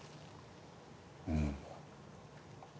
うん。